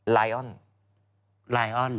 ไลออน